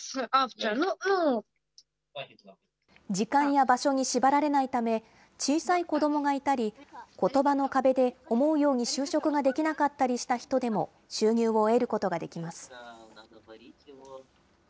時間や場所に縛られないため、小さい子どもがいたり、ことばの壁で思うように就職ができなかったりした人でも、収入を得ることができます。